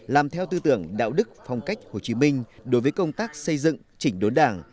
làm theo tư tưởng đạo đức phong cách hồ chí minh đối với công tác xây dựng chỉnh đốn đảng